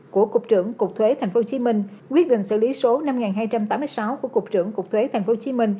của cục trưởng cục thuế tp hcm quyết định xử lý số năm nghìn hai trăm tám mươi sáu của cục trưởng cục thuế tp hcm